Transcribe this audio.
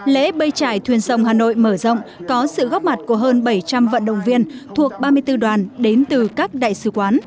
lễ bơi trải thuyền sông hà nội mở rộng có sự góp mặt của hơn bảy trăm linh vận động viên thuộc ba mươi bốn đoàn đến từ các đại sứ quán